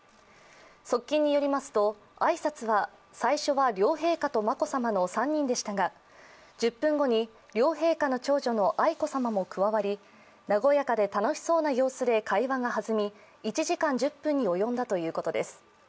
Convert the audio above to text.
側近によりますと、挨拶は最初は両陛下と眞子さまの３人でしたが１０分後に両陛下の長女の愛子さまも加わり和やかで楽しそうな様子で会話が弾み１時間１０分に及んだということです。